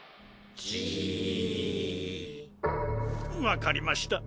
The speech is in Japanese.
分かりました。